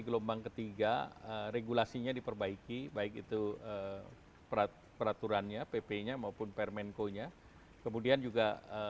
gelombang ketiga regulasinya diperbaiki baik itu peraturannya pp nya maupun permenko nya kemudian juga